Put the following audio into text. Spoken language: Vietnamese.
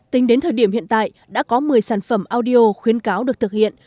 tính đến thời điểm hiện tại đã có một mươi sản phẩm audio khuyến cáo được thực hiện